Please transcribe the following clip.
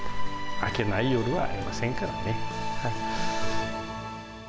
明けない夜はありませんからね。